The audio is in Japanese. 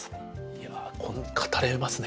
いや語れますね